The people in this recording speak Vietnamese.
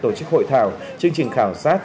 tổ chức hội thảo chương trình khảo sát